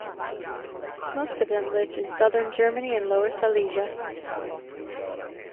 Most of them lived in southern Germany and Lower Silesia.